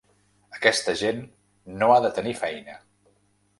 Aquesta gent no ha de tenir feina.